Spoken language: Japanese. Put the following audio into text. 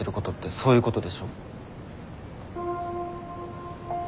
そういうことでしょ？